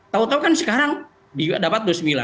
tau tau kan sekarang dapat dua puluh sembilan